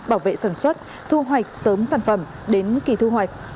bảo vệ sản xuất thu hoạch sớm sản phẩm đến kỳ thu hoạch